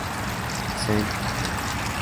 Cen., Ant.